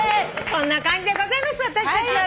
こんな感じでございます私たちは。